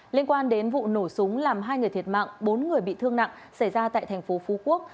liên quan đến vụ nổ súng làm hai người thiệt mạng bốn người bị thương nặng xảy ra tại thành phố phú quốc